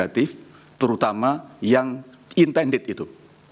negatif terutama yang intended itu